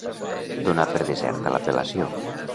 Donar per deserta l'apel·lació.